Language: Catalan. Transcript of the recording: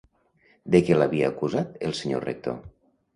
De què l'havia acusat el senyor Rector?